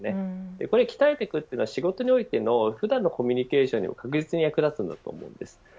これを鍛えていくというのは仕事においてのコミュニケーションにも確実に役立ちます。